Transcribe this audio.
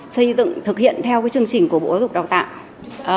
xây dựng thực hiện theo chương trình của bộ giáo dục đào tạo